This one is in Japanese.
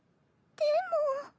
でも。